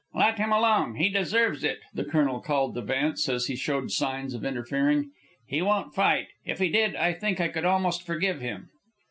"Let him alone. He deserves it," the colonel called to Vance as he showed signs of interfering. "He won't fight. If he did, I think I could almost forgive him."